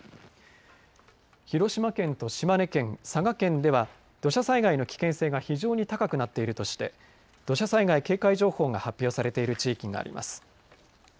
広島県と島根県佐賀県では土砂災害の危険性が非常に高くなっているとして土砂災害警戒情報が発表されている地域があります。